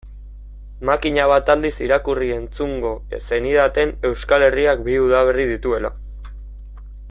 Makina bat aldiz irakurri-entzungo zenidaten Euskal Herriak bi udaberri dituela.